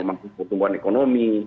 memaksa pertumbuhan ekonomi